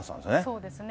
そうですね。